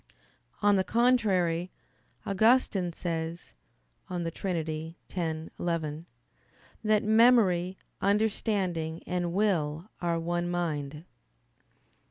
On the contrary, Augustine says (De Trin. x, 11) that "memory, understanding, and will are one mind."